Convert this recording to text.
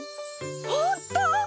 ほんとう！？